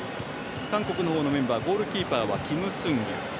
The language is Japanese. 韓国の方のメンバーゴールキーパーはキム・スンギュ。